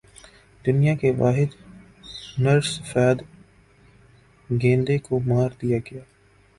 دنیا کے واحد نر سفید گینڈے کو مار دیا گیا